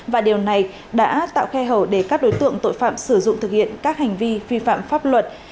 và điều này đã tạo khe hở để các đối tượng tội phạm sử dụng thực hiện các hành vi vi phạm pháp luật